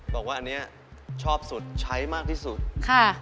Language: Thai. บอกว่าอันนี้ชอบสุดใช้มากที่สุดค่ะ